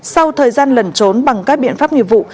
sau thời gian lẩn trốn bằng các biện pháp nghiệp vụ